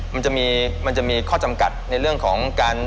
มันจะมีมันจะมีข้อจำกัดในเรื่องของการ